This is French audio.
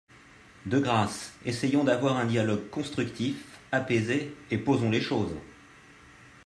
De grâce, essayons d’avoir un dialogue constructif, apaisé, et posons les choses.